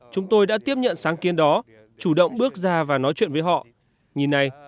chúng tôi đã tiếp nhận sáng kiến đó chủ động bước ra và nói chuyện với họ nhìn này